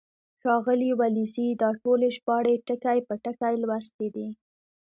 ښاغلي ولیزي دا ټولې ژباړې ټکی په ټکی لوستې دي.